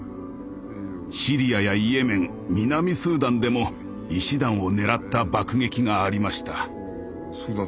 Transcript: シリアやイエメン南スーダンでも医師団を狙った爆撃がありました。